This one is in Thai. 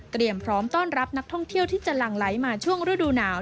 พร้อมต้อนรับนักท่องเที่ยวที่จะหลั่งไหลมาช่วงฤดูหนาว